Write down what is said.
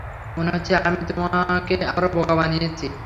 মনে হচ্ছে আমি তোমাকে আবারও বোকা বানিয়েছি।